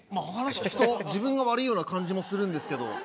お話聞くと自分が悪いような感じもするんですけど。